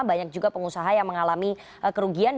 banyak juga pengusaha yang mengalami kerugian